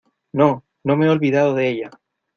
no, no me he olvidado de ella